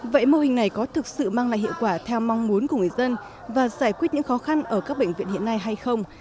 vậy mô hình này có thực sự mang lại hiệu quả theo mong muốn của người dân và giải quyết những khó khăn ở các bệnh viện hiện nay hay không